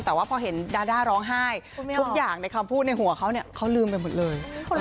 แต่ว่าพอเห็นดาด้าร้องไห้ทุกอย่างในคำพูดในหัวเขาเนี่ยเขาลืมไปหมดเลย